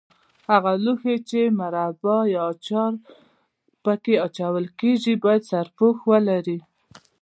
هغه لوښي چې مربا یا اچار په کې اچول کېږي باید سرپوښ ولري.